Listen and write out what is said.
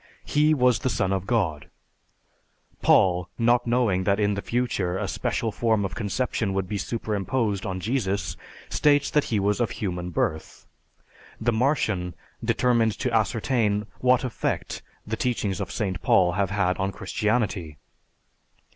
He was the Son of God! Paul, not knowing that in the future a special form of conception would be superimposed on Jesus, states that he was of human birth. The Martian determined to ascertain what effect the teachings of St. Paul have had on Christianity.